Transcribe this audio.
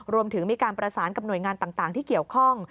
รวมถึงมีการประสานกับหน่วยงานต่างที่เกี่ยวข้อง